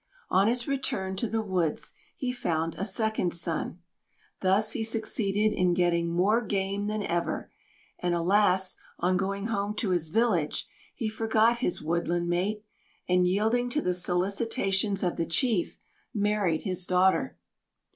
On his return to the woods he found a second son. Thus he succeeded in getting more game than ever, and, alas, on going home to his village, he forgot his woodland mate, and, yielding to the solicitations of the Chief, married his daughter.